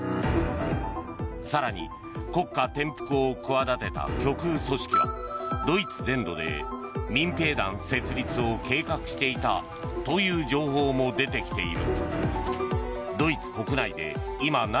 更に国家転覆を企てた極右組織はドイツ全土で民兵団設立を計画していたという情報も出てきている。